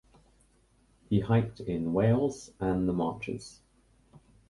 He hiked in Wales and the Marches.